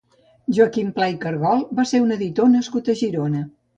Joaquim Pla i Cargol va ser un editor nascut a Girona.